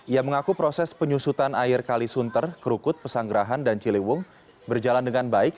ia mengaku proses penyusutan air kalisunter kerukut pesanggerahan dan ciliwung berjalan dengan baik